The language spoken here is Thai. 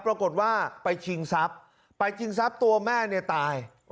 ปรากฏว่าไปชิงทรัพย์ไปชิงทรัพย์ตัวแม่เนี่ยตาย